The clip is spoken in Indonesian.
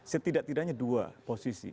setidak tidaknya dua posisi